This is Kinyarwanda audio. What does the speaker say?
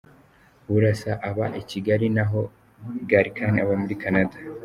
Burasa aba i Kigali na ho Gallican aba muri Canada.